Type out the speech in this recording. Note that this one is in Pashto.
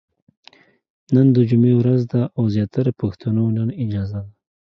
نن د جمعې ورځ ده او زياتره پښتنو نن اجازه ده ،